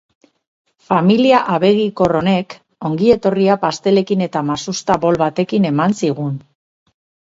Familia abegikor honek ongietorria pastelekin eta masusta bol batekin eman zigun.